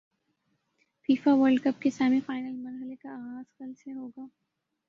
FIFA world cup کے semi final مرحلے کا غاز کل سے ہو گا